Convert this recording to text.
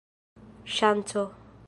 ŝanco